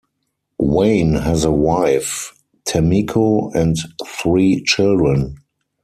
Wayne has a wife, Tamiko, and three children.